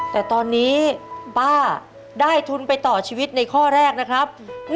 แต่ตอนนี้ป้าได้ทุนไปต่อชีวิตในข้อแรกนะครับ